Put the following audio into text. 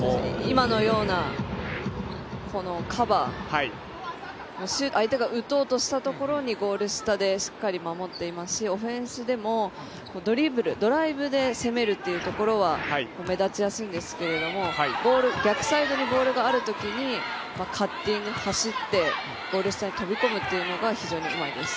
今のようなカバー相手が打とうとしたところにゴール下でしっかり守っていますしオフェンスでも、ドリブルドライブで攻めるっていうところは目立ちやすいんですけれども、逆サイドにボールがあるときにカッティング、走っていってゴール下に飛び込むというのが非常にうまいです。